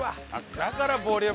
だからボリュームある。